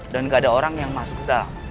dan nggak ada orang yang masuk ke dalam